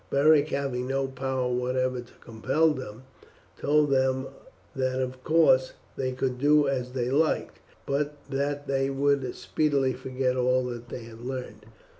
Beric having no power whatever to compel them, told them that of course they could do as they liked, but that they would speedily forget all they had learned.